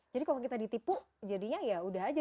jadi kalau kita ditipu jadinya ya udah aja